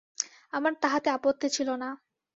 আমার তাহাতে আপত্তি ছিল না।